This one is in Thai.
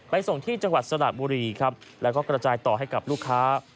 ส่งที่จังหวัดสระบุรีครับแล้วก็กระจายต่อให้กับลูกค้า